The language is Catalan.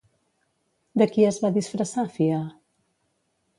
De qui es va disfressar Fia?